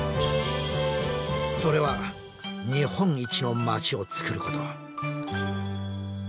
それは日本一の街をつくること。